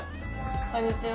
こんにちは。